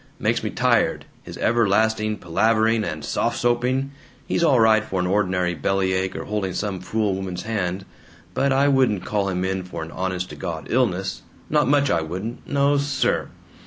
Makes me tired, his everlasting palavering and soft soaping. He's all right for an ordinary bellyache or holding some fool woman's hand, but I wouldn't call him in for an honest to God illness, not much I wouldn't, NO sir!